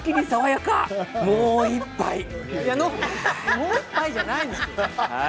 もう１杯じゃないよ。